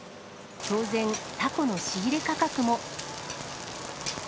当然、タコの仕入れ価格も。